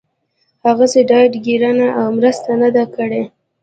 هغسې ډاډ ګيرنه او مرسته نه ده کړې